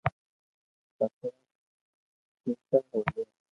پسي ڪآڪر ھوئي